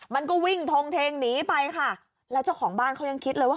มันก็วิ่งทงเทงหนีไปค่ะแล้วเจ้าของบ้านเขายังคิดเลยว่า